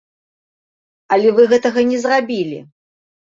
Але вы гэтага не зрабілі.